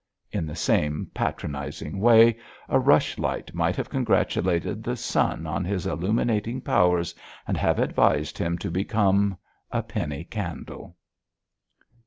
In the same patronising way a rush light might have congratulated the sun on his illuminating powers and have advised him to become a penny candle.